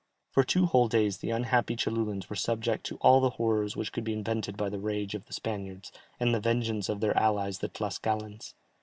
For two whole days the unhappy Cholulans were subject to all the horrors which could be invented by the rage of the Spaniards, and the vengeance of their allies the Tlascalans.